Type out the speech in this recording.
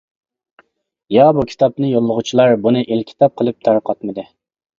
يا بۇ كىتابنى يوللىغۇچىلار بۇنى ئېلكىتاب قىلىپ تارقاتمىدى.